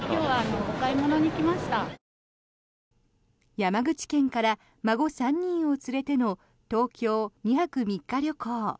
山口県から孫３人を連れての東京２泊３日の旅行。